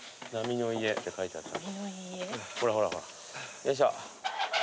よいしょ。